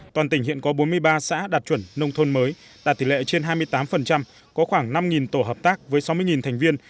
toàn tỉnh hiện có bốn mươi ba xã đạt chuẩn nông thôn mới đạt tỷ lệ trên hai mươi tám có khoảng năm tổ hợp tác với sáu mươi thành viên